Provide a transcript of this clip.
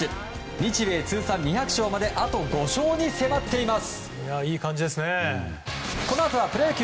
日米通算２００勝まであと５勝に迫っています。